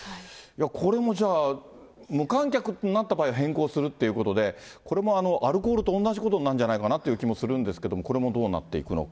これもじゃあ、無観客になった場合は変更するということで、これもアルコールと同じことになんじゃないかなという気もするんですけれども、これもどうなっていくのか。